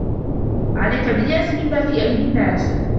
عَلَيْك بِالْيَأْسِ مِمَّا فِي أَيْدِي النَّاسِ